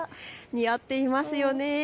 似合っていますよね。